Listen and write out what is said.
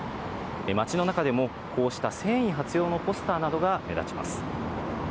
町の中でも、こうした戦意発揚のポスターなどが目立ちます。